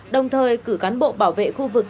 đồng thời cử cán bộ bảo vệ khu vực